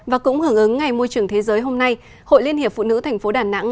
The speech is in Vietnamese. và cũng hưởng ứng ngày môi trường thế giới hôm nay hội liên hiệp phụ nữ thành phố đà nẵng